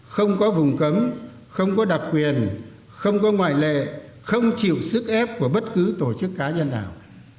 không có vùng cấm không có đặc quyền không có ngoại lệ không chịu sức ép của bất cứ tổ chức cá nhân nào